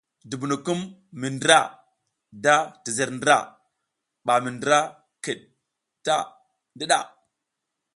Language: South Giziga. Dubunukum mi ndra da tizer ndra ɓa mi ndra kiɗ ta ndiɗa.